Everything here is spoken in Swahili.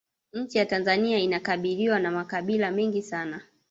nchi ya tanzania inakabiriwa na makabila mengi sana